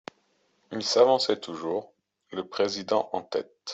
Il s'avançait toujours, le président en tête.